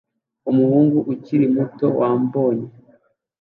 Umuhungu ukiri muto wambaye